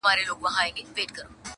اوس که را هم سي پر څنک رانه تېرېږي,